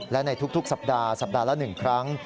และในทุกสัปดาห์สัปดาห์ละ๑ครั้ง